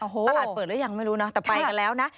ตลาดเปิดหรือยังไม่รู้นะแต่ไปกันแล้วนะ